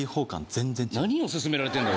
全然違う何を勧められてんだ？